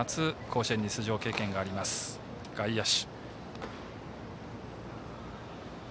甲子園に出場経験があります外野手でした。